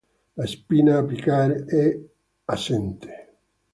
La spina apicale è assente.